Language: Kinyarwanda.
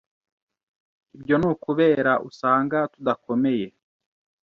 Ibyo ni ukubera usanga tudakomeye